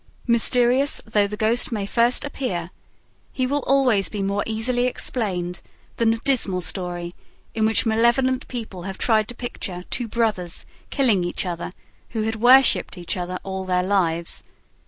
Mysterious though the ghost may at first appear, he will always be more easily explained than the dismal story in which malevolent people have tried to picture two brothers killing each other who had worshiped each other all their lives.